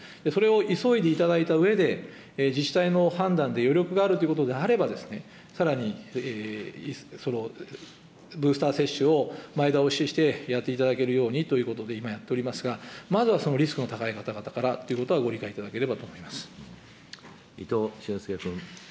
それを急いでいただいたうえで、自治体の判断で余力があるということであれば、さらにブースター接種を前倒しして、やっていただけるようにということで、今やっておりますが、まずはそのリスクの高い方々からということは、ご伊藤俊輔君。